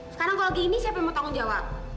sekarang kalau gini siapa yang mau tanggung jawab